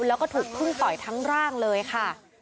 แล้วก็ถูกพึ่งต่อยทั้งร่างเลยค่ะ